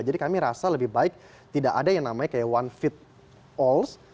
jadi kami rasa lebih baik tidak ada yang namanya one fit all